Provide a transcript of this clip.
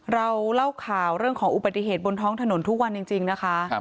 เราเล่าข่าวเรื่องของอุบัติเหตุบนท้องถนนทุกวันจริงนะคะ